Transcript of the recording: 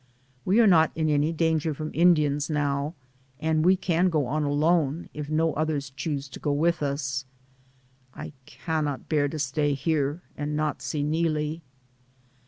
We are not in any danger from Indians now, and we can go alone if no others choose to go with us. I cannot bear to stay here and not see Neelie.